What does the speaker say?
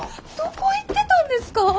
どこ行ってたんですか！？